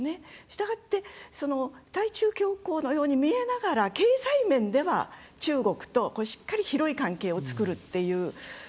したがって対中強硬のように見えながら経済面では中国としっかり広い関係を作るっていう。